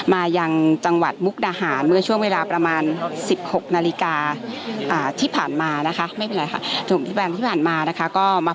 มายังจังหวัดมุกดาหารเมื่อช่วงเวลาประมาณ๑๖นาฬิกาที่ผ่านมานะคะ